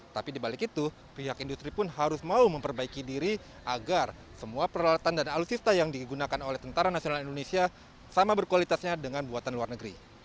tapi dibalik itu pihak industri pun harus mau memperbaiki diri agar semua peralatan dan alutsista yang digunakan oleh tentara nasional indonesia sama berkualitasnya dengan buatan luar negeri